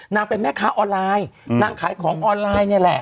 นางเป็นแม่ค้าออนไลน์นางขายของออนไลน์นี่แหละ